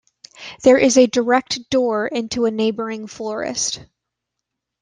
There is a direct door into a neighbouring florist.